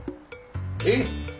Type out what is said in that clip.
えっ？